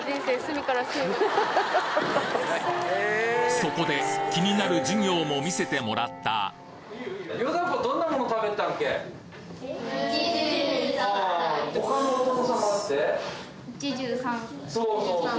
そこで気になる授業も見せてもらったそうそうそう。